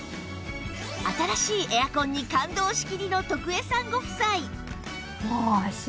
新しいエアコンに感動しきりの徳江さんご夫妻